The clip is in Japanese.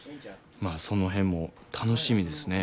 まあその辺も楽しみですね。